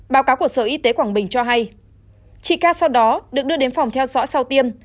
báo cáo của sở y tế quảng bình cho hay chị ca sau đó được đưa đến phòng theo dõi sau tiêm